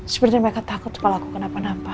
sepertinya mereka takut kalau aku kenapa napa